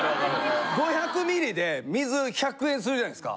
５００ｍｌで水１００円するじゃないですか。